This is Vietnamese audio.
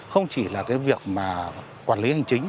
không chỉ là việc quản lý hành chính